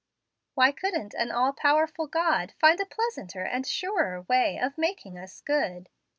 "Why couldn't an all powerful God find a pleasanter and surer way of making us good?"